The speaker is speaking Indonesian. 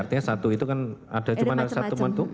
artinya satu itu kan ada cuma satu momentum